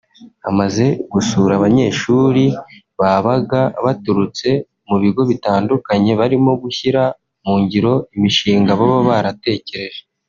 Amaze gusura abanyeshuri babaga baturutse ku bigo bitandukanye barimo gushyira mu ngiro imishinga baba baratekereje